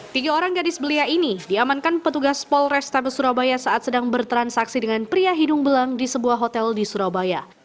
tiga orang gadis belia ini diamankan petugas polrestabes surabaya saat sedang bertransaksi dengan pria hidung belang di sebuah hotel di surabaya